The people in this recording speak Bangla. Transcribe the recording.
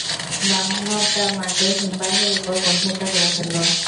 দানবটা মাকে হিমবাহের উপর কোণঠাসা করে ফেলল।